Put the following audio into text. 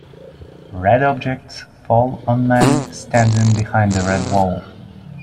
Red objects fall on men standing behind a red wall.